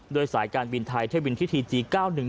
โดยสายการบินไทยเทพวินพิธีจี๙๑๑